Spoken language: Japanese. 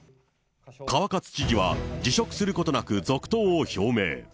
川勝知事は、辞職することなく続投を表明。